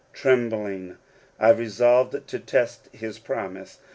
Tremblingly I resolved to test his promise.